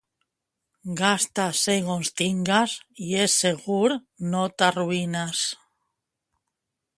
Gasta segons tingues i és segur no t'arruïnes.